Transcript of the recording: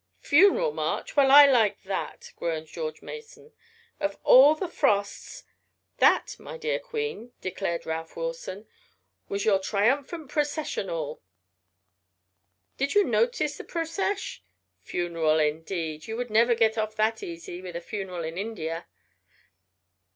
"Funeral march! Well, I like that!" groaned George Mason. "Of all the frosts " "That, my dear queen," declared Ralph Wilson, "was your triumphant procession all! Did you notice the procesh? Funeral indeed! You would never get off that easy with a funeral in India."